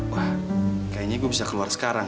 wah kayaknya gue bisa keluar sekarang